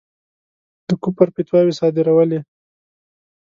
د کُفر فتواوې صادرولې.